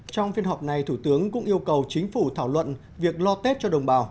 trong phiên họp này thủ tướng cũng yêu cầu chính phủ thảo luận việc lo tết cho đồng bào